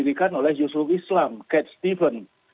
yang didikan oleh yusuf islam kate stevens